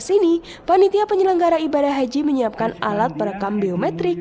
dua ribu delapan belas ini panitia penyelenggara ibadah haji menyiapkan alat perekam biometrik